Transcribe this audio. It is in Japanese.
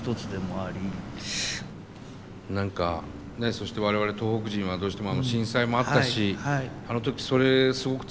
何かそして我々東北人はどうしても震災もあったしあの時それすごく強く思いましたよね。